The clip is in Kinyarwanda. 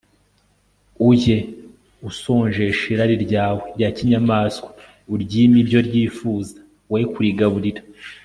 ujye usonjesha irari ryawe rya kinyamaswa, uryime ibyo ryifuza, we kurigaburira